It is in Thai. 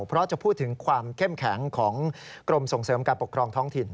เพราะจะพูดถึงความเข้มแข็งของกรมส่งเสริมการปกครองท้องถิ่น